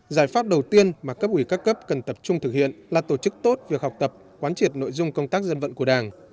giải pháp đầu tiên mà cấp ủy các cấp cần tập trung thực hiện là tổ chức tốt việc học tập quán triệt nội dung công tác dân vận của đảng